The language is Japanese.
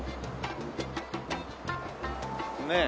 ねえ。